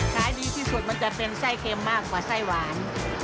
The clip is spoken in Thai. ขายดีที่สุดมันจะเป็นไส้เค็มมากกว่าไส้หวาน